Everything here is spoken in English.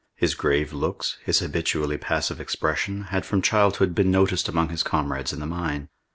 His grave looks, his habitually passive expression, had from childhood been noticed among his comrades in the mine.